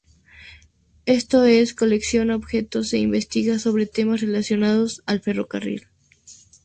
Esto es, colecciona objetos e investiga sobre temas relacionados al ferrocarril.